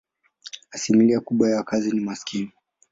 Asilimia kubwa ya wakazi ni maskini.